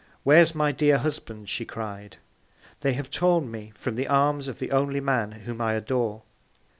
Where's my dear Husband, she cried? They have torn me from the Arms of the only Man whom I adore.